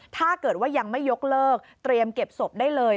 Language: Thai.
ถ้าเกิดว่ายังไม่ยกเลิกเตรียมเก็บศพได้เลย